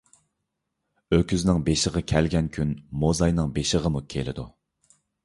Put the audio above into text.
ئۆكۈزنىڭ بېشىغا كەلگەن كۈن موزاينىڭ بېشىغىمۇ كېلىدۇ.